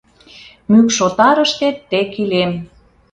Мӱкш отарыштет тек илем.